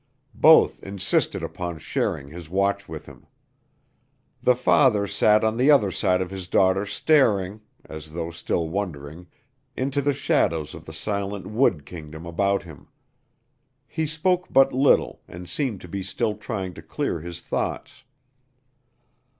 Both insisted upon sharing his watch with him. The father sat on the other side of his daughter staring, as though still wondering, into the shadows of the silent wood kingdom about him. He spoke but little and seemed to be still trying to clear his thoughts.